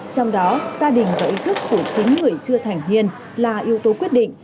trong đó gia đình với ý thức của chính người chưa thành hiên là yếu tố quyết định